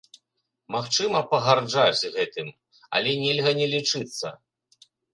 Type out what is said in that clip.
Магчыма пагарджаць гэтым, але нельга не лічыцца.